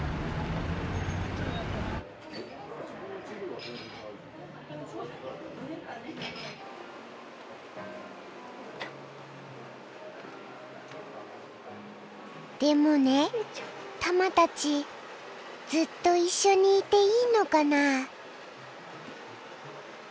多分でもねたまたちずっと一緒にいていいのかな？